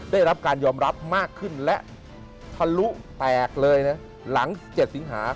ได้รับการยอมรับมากขึ้นและทะลุแตกเลยนะหลัง๗สิงหา